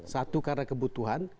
satu karena kebutuhan